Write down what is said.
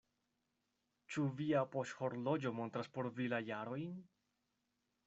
"Ĉu via poŝhorloĝo montras por vi la jarojn?"